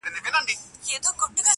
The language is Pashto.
د لېوني د ژوند سُر پر یو تال نه راځي.